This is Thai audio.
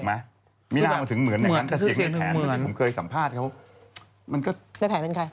ในแผนเป็นใคร